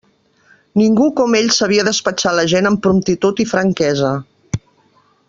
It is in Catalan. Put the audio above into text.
Ningú com ell sabia despatxar la gent amb promptitud i franquesa.